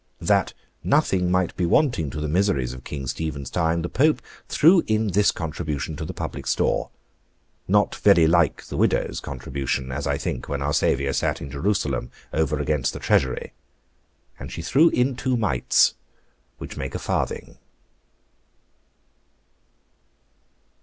That nothing might be wanting to the miseries of King Stephen's time, the Pope threw in this contribution to the public store—not very like the widow's contribution, as I think, when Our Saviour sat in Jerusalem over against the Treasury, 'and she threw in two mites, which make a farthing.